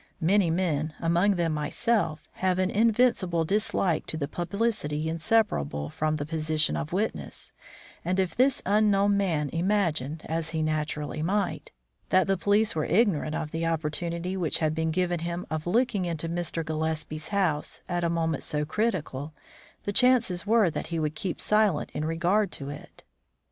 Many men, among them myself, have an invincible dislike to the publicity inseparable from the position of witness, and if this unknown man imagined, as he naturally might, that the police were ignorant of the opportunity which had been given him of looking into Mr. Gillespie's house at a moment so critical, the chances were that he would keep silent in regard to it.